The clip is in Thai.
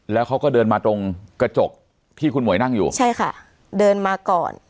แล้วเขาก็เดินมาตรงกระจกที่คุณหมวยนั่งอยู่ใช่ค่ะเดินมาก่อน